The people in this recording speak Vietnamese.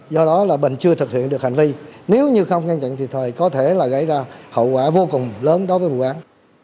do đó là bình chưa thực hiện được hành vi nếu như không ngăn chặn kịp thời có thể là gây ra hậu quả vô cùng lớn đối với vụ án